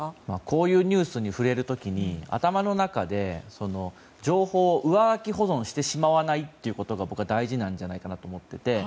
こういうニュースに触れる時に頭の中で情報を上書き保存してしまわないことが僕は大事なんじゃないかと思っていて。